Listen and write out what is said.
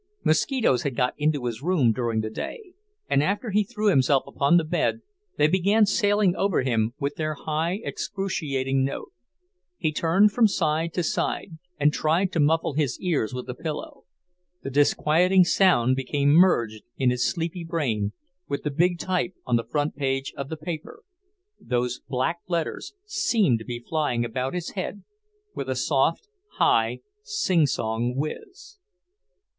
Mosquitoes had got into his room during the day, and after he threw himself upon the bed they began sailing over him with their high, excruciating note. He turned from side to side and tried to muffle his ears with the pillow. The disquieting sound became merged, in his sleepy brain, with the big type on the front page of the paper; those black letters seemed to be flying about his head with a soft, high, sing song whizz.